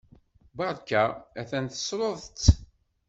Berka! Atan tessruḍ-tt!